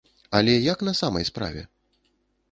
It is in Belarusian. Але як на самай справе?